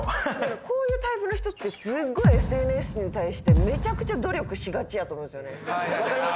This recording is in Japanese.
こういうタイプの人ってすっごいＳＮＳに対してめちゃくちゃ努力しがちやと思うんですよねわかります？